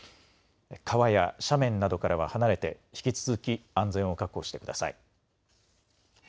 川や斜面などからは離れて、引き続き安全を確保してください。